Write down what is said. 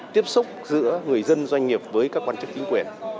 tiếp xúc giữa người dân doanh nghiệp với các quan chức chính quyền